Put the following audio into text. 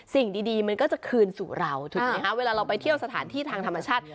สิ่งดีมันก็จะคืนสู่เราถูกไหมคะเวลาเราไปเที่ยวสถานที่ทางธรรมชาติ